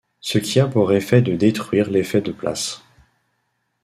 Ce qui a pour effet de détruire l'effet de place.